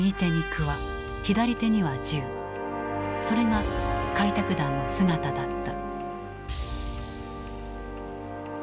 それが開拓団の姿だった。